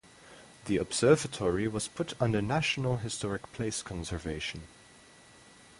The observatory was put under national historic place conservation.